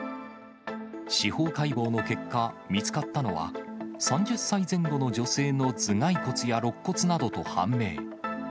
司法解剖の結果、見つかったのは、３０歳前後の女性の頭蓋骨やろっ骨などと判明。